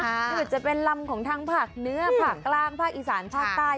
ไม่ว่าจะเป็นรำในทั้งผักเนื้อผักกลางผักอีสานผักใต้